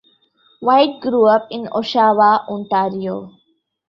White grew up in Oshawa, Ontario.